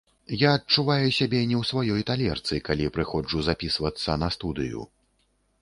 Я адчуваю сябе не ў сваёй талерцы, калі прыходжу запісвацца на студыю.